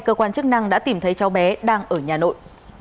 cơ quan chức năng đã tìm thấy cháu bé đang ở nhà nội